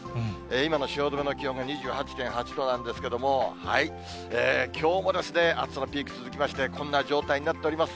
今の汐留の気温が２８．８度なんですけれども、きょうも暑さのピーク続きまして、こんな状態になっております。